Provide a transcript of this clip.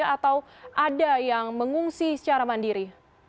atau ada yang mengungsi secara mandiri